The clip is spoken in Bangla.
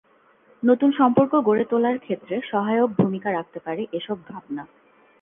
নতুন সম্পর্ক গড়ে তোলার ক্ষেত্রে সহায়ক ভূমিকা রাখতে পারে এসব ভাবনা।